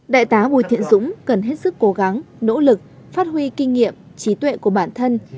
đại tá bùi thiện dũng cần hết sức cố gắng nỗ lực phát huy kinh nghiệm trí tuệ của bản thân